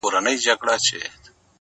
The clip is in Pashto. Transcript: • زړه ته د ښايست لمبه پوره راغلې نه ده،